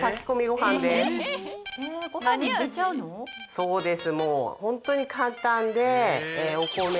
そうです。